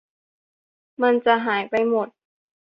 มันจะหายไปหมด